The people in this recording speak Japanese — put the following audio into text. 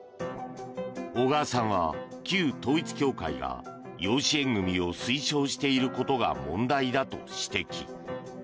小川さんは旧統一教会が養子縁組を推奨していることが問題だと指摘。